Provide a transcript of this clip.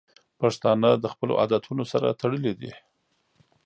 پښتانه د خپلو عادتونو سره تړلي دي.